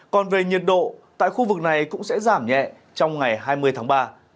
còn về nhiệt độ tại khu vực này cũng sẽ giảm nhẹ trong ngày hai mươi tháng ba